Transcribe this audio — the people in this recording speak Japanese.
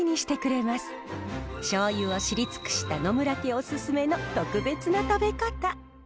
しょうゆを知り尽くした野村家おすすめの特別な食べ方。